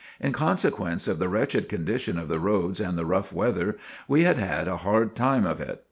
In consequence of the wretched condition of the roads and the rough weather, we had had a hard time of it.